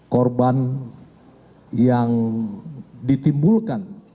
korban yang ditimbulkan